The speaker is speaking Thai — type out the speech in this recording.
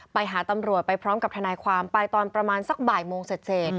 ไปหาตำรวจไปพร้อมกับทนายความไปตอนประมาณสักบ่ายโมงเสร็จ